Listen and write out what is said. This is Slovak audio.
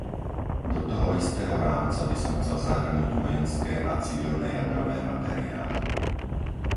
Do toho istého rámca by som chcel zahrnúť vojenské a civilné jadrové materiály.